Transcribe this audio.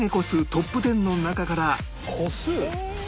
ＴＯＰ１０ の中から個数？